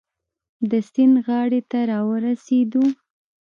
د سیند غاړې ته را ورسېدو.